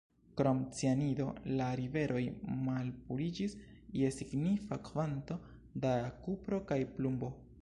Krom cianido la riveroj malpuriĝis je signifa kvanto da kupro kaj plumbo.